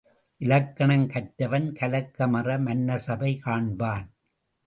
இலக்கணம் கற்றவன் கலக்கம் அற மன்னர் சபை காண்பான்.